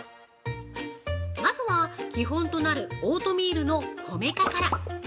まずは基本となるオートミールの米化から。